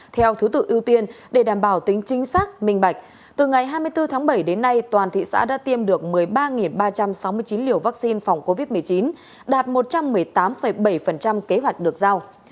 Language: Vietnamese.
theo thứ tự ưu tiên để đảm bảo tính chính xác minh bạch từ ngày hai mươi bốn tháng bảy đến nay toàn thị xã đã tiêm được một mươi ba ba trăm sáu mươi chín liều vaccine phòng covid một mươi chín đạt một trăm một mươi tám bảy kế hoạch được giao